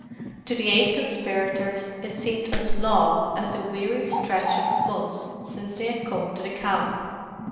To the eight conspirators it seemed as long as the weary stretch of months since they had come to the camp.